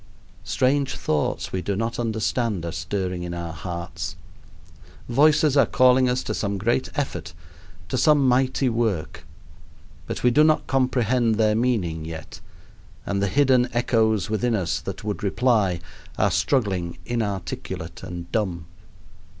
Strange thoughts we do not understand are stirring in our hearts. Voices are calling us to some great effort, to some mighty work. But we do not comprehend their meaning yet, and the hidden echoes within us that would reply are struggling, inarticulate and dumb.